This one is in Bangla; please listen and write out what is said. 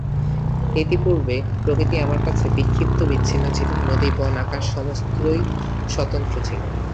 ইতিপূর্বে প্রকৃতি আমার কাছে বিক্ষিপ্ত বিচ্ছিন্ন ছিল, নদী বন আকাশ সমস্তই স্বতন্ত্র ছিল।